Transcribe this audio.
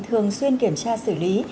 thường xuyên kiểm tra xử lý